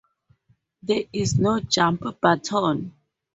There is no jump button.